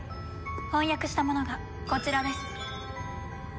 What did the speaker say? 翻訳したものがこちらです。